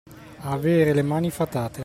Avere le mani fatate.